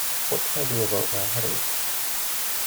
What can I do about my headache?